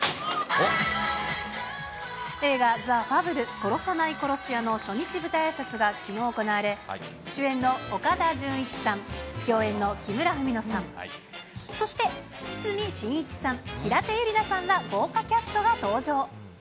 映画、ザ・ファブル殺さない殺し屋の初日舞台あいさつがきのう行われ、主演の岡田准一さん、共演の木村文乃さん、そして堤真一さん、平手友梨奈さんら豪華キャストが登場。